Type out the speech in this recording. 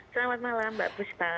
selamat malam mbak pustar